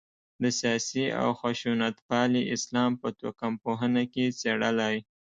د سیاسي او خشونتپالي اسلام په توکم پوهنه کې څېړلای.